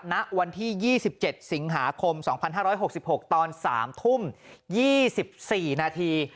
ณวันที่๒๗สิงหาคม๒๕๖๖ตอน๓ทุ่ม๒๔นาที